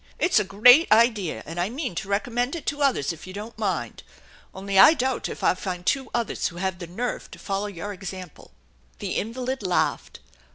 It's a great idea, and I mean to recommend it to others if you don't mind. Only I doubt if I find two others who have the nerve to follow your example/' The invalid laughed.